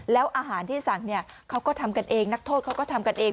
แล้วอาหารที่สั่งเนี่ยเขาก็ทำกันเองนักโทษเขาก็ทำกันเอง